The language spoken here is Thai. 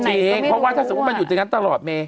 เพราะว่าถ้าสมมุติว่ามันอยู่ที่นั้นตลอด